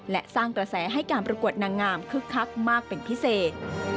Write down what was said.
และสร้างกระแสให้การประกวดนางงามคึกคักมากเป็นพิเศษ